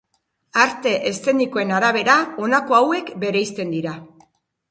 Arte eszenikoen arabera honako hauek bereizten dira.